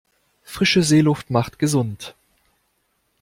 Frische Seeluft macht gesund.